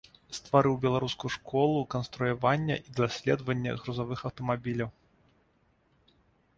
Стварыў беларускую школу канструявання і даследавання грузавых аўтамабіляў.